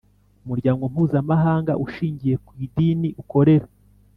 umuryango mpuzamahanga ushingiye ku idini Ukorera